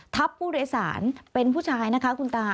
ทับผู้โดยสารเป็นผู้ชายนะคะคุณตา